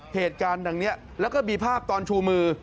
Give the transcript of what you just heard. เหตุการณ์ดังนี้แล้วก็มีภาพตอนชูมือ